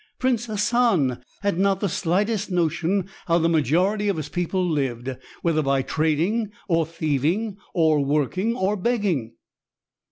Prince Hassan had not the slightest notion how the majority of his people lived, whether by trading, or thieving, or working, or begging."